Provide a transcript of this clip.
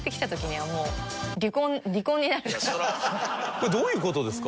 これどういう事ですか？